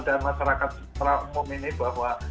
dan masyarakat umum ini bahwa